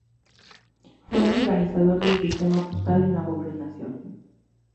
Fue el organizador del sistema postal en la gobernación.